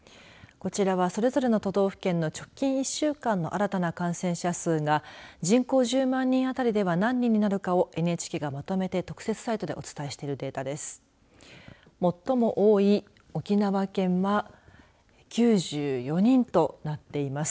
こちらは、それぞれの都道府県の直近１週間の新たな感染者数が人口１０万人あたりでは何人になるかをＮＨＫがまとめて特設サイトでお伝えしているデータです。